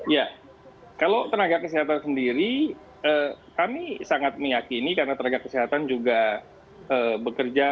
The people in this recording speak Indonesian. ya kalau tenaga kesehatan sendiri kami sangat meyakini karena tenaga kesehatan juga bekerja